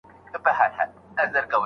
باور په ځان باندي یو ډاډ دی.